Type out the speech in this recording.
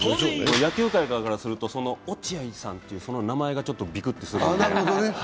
野球界側からすると、落合さんという名前がちょっとビクッとする。